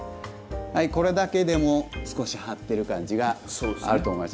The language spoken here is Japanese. これだけでも少し張ってる感じがあると思います。